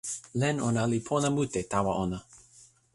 len ona li pona mute tawa ona.